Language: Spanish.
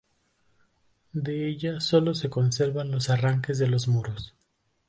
De ella solo se conservan los arranques de los muros.